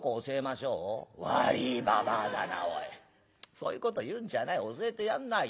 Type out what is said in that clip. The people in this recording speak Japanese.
そういうこと言うんじゃない教えてやんなよ。